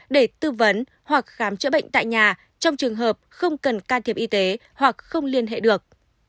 để tư vấn hoặc khám chữa bệnh tại nhà trong trường hợp không cần can thiệp y tế hoặc không liên hệ được